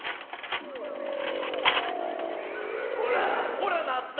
ほらなった。